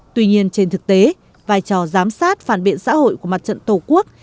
tuy nhiên trên thực tế vai trò giám sát phản biện xã hội của mặt trận tổ quốc